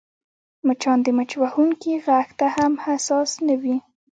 مچان د مچ وهونکي غږ ته هم حساس نه وي